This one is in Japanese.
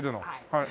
はい。